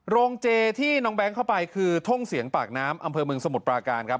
โรงเจที่น้องแบงค์เข้าไปคือท่งเสียงปากน้ำอำเภอเมืองสมุทรปราการครับ